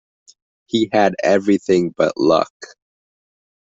He had everything but luck.